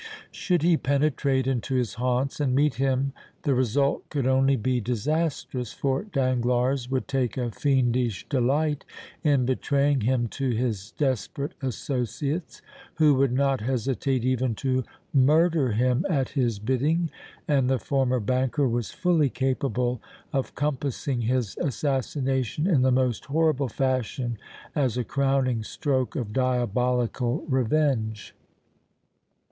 Should he penetrate into his haunts and meet him the result could only be disastrous, for Danglars would take a fiendish delight in betraying him to his desperate associates, who would not hesitate even to murder him at his bidding, and the former banker was fully capable of compassing his assassination in the most horrible fashion as a crowning stroke of diabolical revenge.